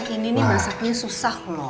ini nih masaknya susah loh